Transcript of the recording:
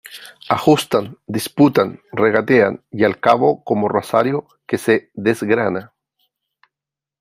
ajustan , disputan , regatean , y al cabo , como rosario que se desgrana ,